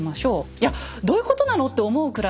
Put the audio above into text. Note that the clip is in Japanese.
いやどういうことなのって思うくらい